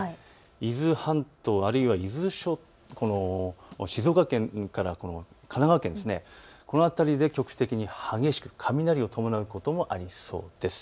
伊豆半島、伊豆諸島、静岡県から神奈川県、この辺りで激しく雷を伴うこともありそうです。